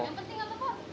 yang penting apa bu